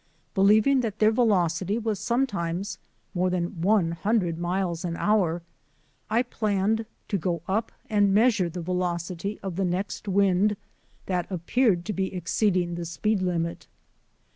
Believing that their velocity was sometimes more than one hundred miles an hour, I planned to go up and measure the velocity of the next wind that appeared to be exceeding the speed limit.